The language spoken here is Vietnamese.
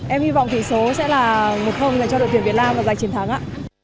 em hy vọng thủy số sẽ là một cho đội tuyển việt nam và giải chiến thắng ạ